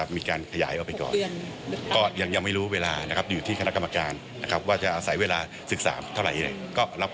ไม่แก้นะครับ